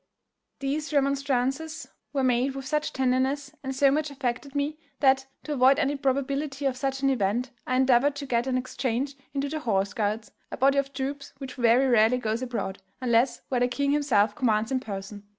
These remonstrances were made with such tenderness, and so much affected me, that, to avoid any probability of such an event, I endeavoured to get an exchange into the horse guards, a body of troops which very rarely goes abroad, unless where the king himself commands in person.